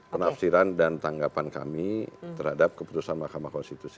penafsiran dan tanggapan kami terhadap keputusan mahkamah konstitusi